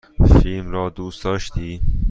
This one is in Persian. فیلم را دوست داشتی؟